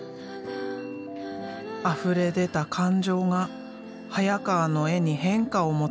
あふれ出た感情が早川の絵に変化をもたらした。